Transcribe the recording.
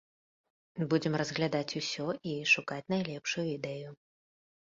Будзем разглядаць усё і шукаць найлепшую ідэю.